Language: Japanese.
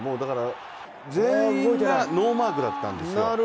全員がノーマークだったんですよ。